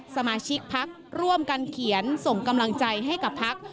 สมาชิกพักร่วมกันเขียนส่งกำลังใจให้กับพัก